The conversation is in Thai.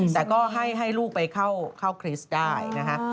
แต่ก็ให้ลูกไปเข้าคริสต์ได้นะฮะ